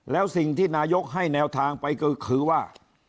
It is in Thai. แล้วสิ่งที่นายกให้แนวทางไปก็คือว่า